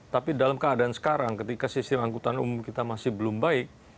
tapi dalam keadaan sekarang ketika sistem angkutan umum kita masih belum baik